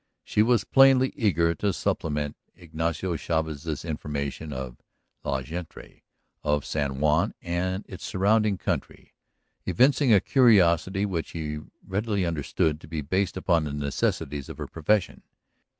She was plainly eager to supplement Ignacio Chavez's information of "la gente" of San Juan and its surrounding country, evincing a curiosity which he readily understood to be based upon the necessities of her profession.